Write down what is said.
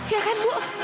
iya kan bu